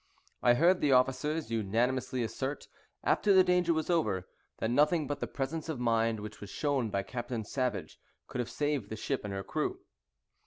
I heard the officers unanimously assert, after the danger was over, that nothing but the presence of mind which was shown by Captain Savage could have saved the ship and her crew.